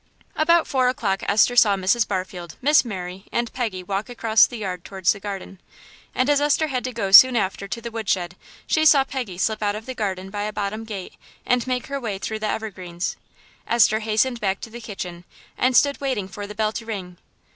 About four o'clock Esther saw Mrs. Barfield, Miss Mary, and Peggy walk across the yard towards the garden, and as Esther had to go soon after to the wood shed she saw Peggy slip out of the garden by a bottom gate and make her way through the evergreens. Esther hastened back to the kitchen and stood waiting for the bell to ring.